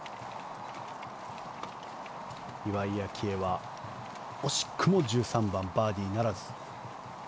岩井明愛は惜しくも１３番バーディーならず。